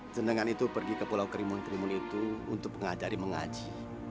senangan itu pergi ke pulau krimun krimun itu untuk mengajari mengaji